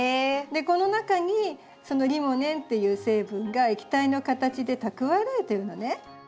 この中にリモネンっていう成分が液体の形で蓄えられてるのね。